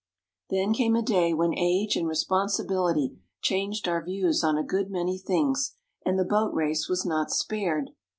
Then came a day when age and respon sibility changed our views on a good many things, and the Boat Race was not spared.